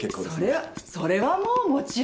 それはそれはもうもちろん。